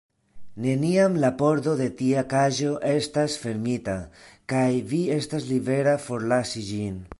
Neniam la pordo de tia kaĝo estas fermita, kaj vi estas libera forlasi ĝin.